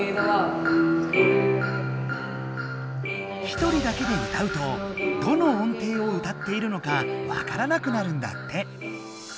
ひとりだけで歌うとどの音程を歌っているのか分からなくなるんだって。